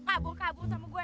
kabur kabur sama gue